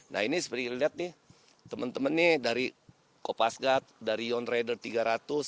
nah ini seperti kalian lihat nih teman teman ini dari kopasgat dari yonrader tiga ratus ya